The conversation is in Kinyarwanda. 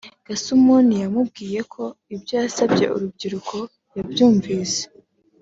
Gasumuni yamubwiye ko ibyo yasabye urubyiruko yabyumvise